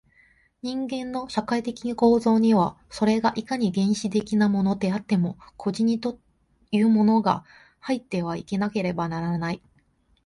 人間の社会的構造には、それがいかに原始的なものであっても、個人というものが入っていなければならない。